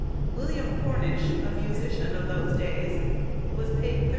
William Cornyshe, a musician of those days, was paid 13_s.